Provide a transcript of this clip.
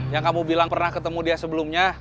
yang kamu bilang pernah ketemu dia sebelumnya